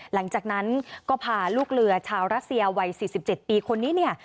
หลังจากนั้นก็พาลูกเรือชาวรัสเซียวัย๔๗ปีคนนี้เนี่ย